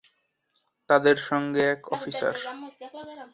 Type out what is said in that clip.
তাদের সঙ্গে এক অফিসার।